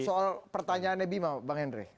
soal pertanyaannya bima bang hendry